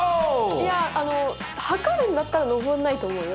いやあの測るんだったら登んないと思うよ。